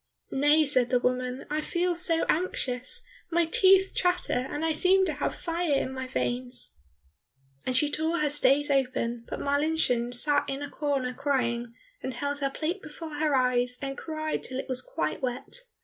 "Nay," said the woman, "I feel so anxious, my teeth chatter, and I seem to have fire in my veins." And she tore her stays open, but Marlinchen sat in a corner crying, and held her plate before her eyes and cried till it was quite wet.